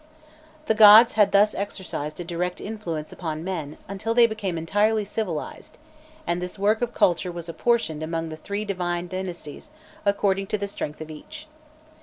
The gods had thus exercised a direct influence upon men until they became entirely civilized, and this work of culture was apportioned among the three divine dynasties according to the strength of each.